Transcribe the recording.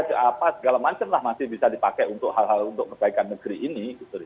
apa segala macam lah masih bisa dipakai untuk hal hal untuk perbaikan negeri ini